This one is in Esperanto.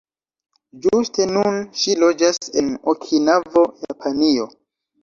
Ĝuste nun ŝi loĝas en Okinavo, Japanio.